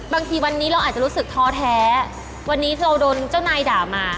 บางทีวันนี้เราอาจจะรู้สึกท้อแท้วันนี้เราโดนเจ้านายด่ามา